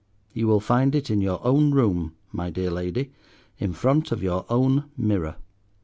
You will find it in your own room, my dear Lady, in front of your own mirror.